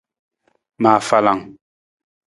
Ma afalang.